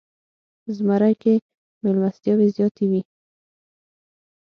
زمری کې میلمستیاوې زیاتې وي.